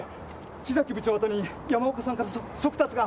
木崎部長宛に山岡さんから速達が。